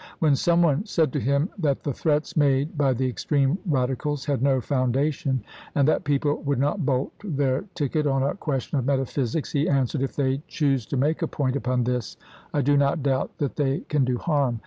When some one said to him that the threats made by the extreme Radicals had no foundation, and that people would not bolt their ticket on a ques tion of metaphysics, he answered :" If they choose to make a point upon this, I do not doubt that they can do harm.